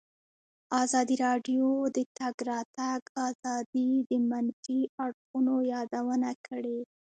ازادي راډیو د د تګ راتګ ازادي د منفي اړخونو یادونه کړې.